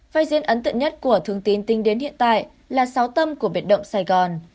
vai diễn ấn tượng nhất của thường tín tính đến hiện tại là sáu tâm của biệt động sài gòn